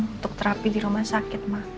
untuk terapi di rumah sakit